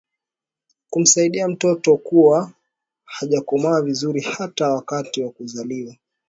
kukusudia mtoto kuwa hajakomaa vizuri hata wakati wa kuzaliwa